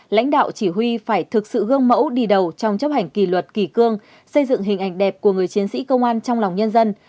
lãnh đạo chỉ huy phải thực sự gương mẫu đi đầu trong chấp hành kỳ luật kỳ cương xây dựng hình ảnh đẹp của người chiến sĩ công an trong lòng nhân dân